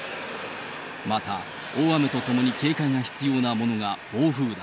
また大雨とともに警戒が必要なものが暴風だ。